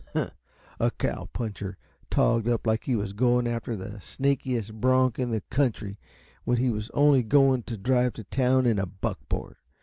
Huh! A cow puncher togged up like he was going after the snakiest bronk in the country, when he was only going to drive to town in a buckboard!